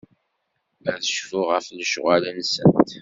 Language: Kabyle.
Ad cfuɣ ɣef lecɣal-nsent.